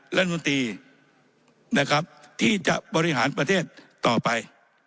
รัฐมนตรีนะครับที่จะบริหารประเทศต่อไป